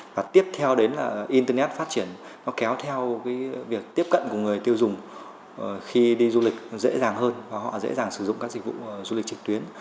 và tiếp theo đến là internet phát triển nó kéo theo việc tiếp cận của người tiêu dùng khi đi du lịch dễ dàng hơn và họ dễ dàng sử dụng các dịch vụ du lịch trực tuyến